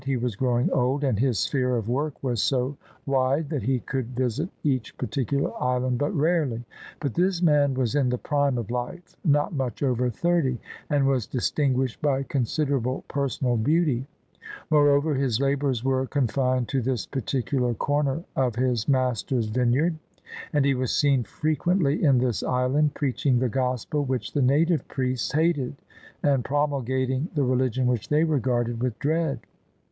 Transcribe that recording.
He was growing old; and his sphere of work was so wide that he could visit each particular island but rarely. But this man was in the prime of life — ^not much over thirty — ^and was distinguished by considerable personal beauty: moreover his labours were confined to this particular comer of his Master's vineyard; and he was seen frequently in this island, preaching the Gospel which the native priests hated and promxilgating the religion which they regarded with dread.